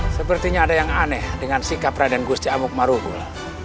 sepertinya ada yang aneh dengan sikap raden gusti amukmaruh